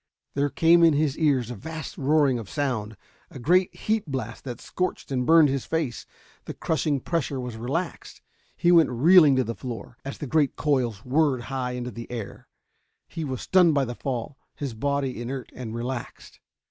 There came in his ears a vast roaring of sound, a great heat blast that scorched and burned at his face. The crushing pressure was relaxed. He went reeling to the floor, as the great coils whirled high into the air. He was stunned by the fall, his body inert and relaxed.